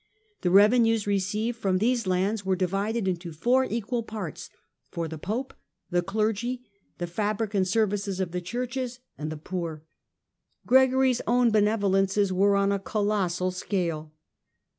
The revenues received from these lands were divided into four equal parts, for the Pope, the clergy, the fabric and services of the churches, and the poor. Gregory's own benevolences were on a colossal scale.